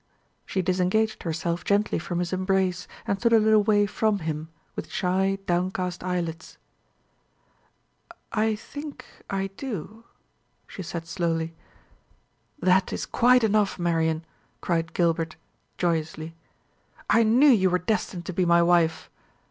She disengaged herself gently from his embrace, and stood a little way from him, with shy, downcast eyelids. "I think I do," she said slowly. "That is quite enough, Marian!" cried Gilbert, joyously. "I knew you were destined to be my wife."